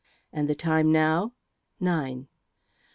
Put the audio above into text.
"And the time now?" "Nine."